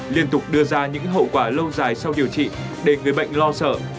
liên tục đưa ra những hậu quả lâu dài sau điều trị để người bệnh lo sợ